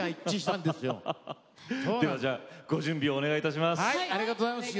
ではじゃあご準備をお願いいたします。